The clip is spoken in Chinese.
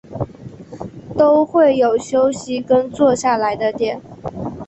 都会有休息跟坐下来的点